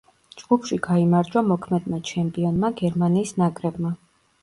ჯგუფში გაიმარჯვა მოქმედმა ჩემპიონმა, გერმანიის ნაკრებმა.